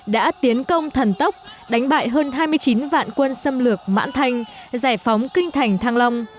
đã tiến công thần tốc đánh bại hơn hai mươi chín vạn quân xâm lược mãn thanh giải phóng kinh thành thăng long